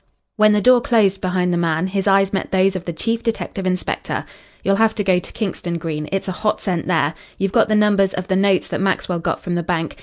When the door closed behind the man, his eyes met those of the chief detective inspector. "You'll have to go to Kingston, Green. It's a hot scent there. You've got the numbers of the notes that Maxwell got from the bank.